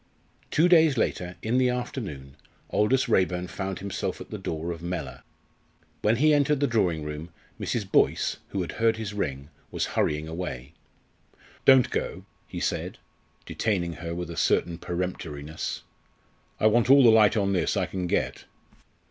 Two days later, in the afternoon, Aldous Raeburn found himself at the door of Mellor. When he entered the drawing room, Mrs. Boyce, who had heard his ring, was hurrying away. "Don't go," he said, detaining her with a certain peremptoriness. "I want all the light on this I can get.